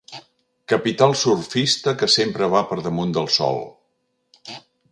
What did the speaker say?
Capital surfista que sempre va per damunt del sol.